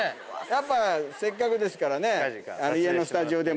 やっぱせっかくですから家の。